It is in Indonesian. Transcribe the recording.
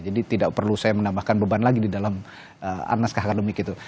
tidak perlu saya menambahkan beban lagi di dalam anaskah akademik itu